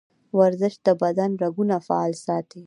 ورزش د بدن رګونه فعال ساتي.